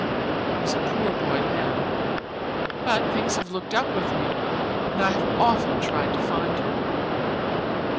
I was a poor boy then, but things have looked up with me and I have often tried to find her."